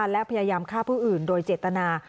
และพยายามฆ่าผู้อื่นโดยเจตนา